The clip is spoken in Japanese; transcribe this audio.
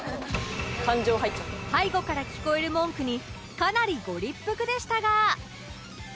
背後から聞こえる文句にかなりご立腹でしたが